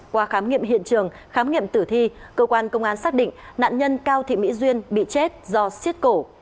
qua khám nghiệm hiện trường khám nghiệm tử thi cơ quan công an xác định nạn nhân cao thị mỹ duyên bị chết do xiết cổ